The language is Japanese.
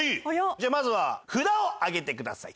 じゃあまずは札を上げてください。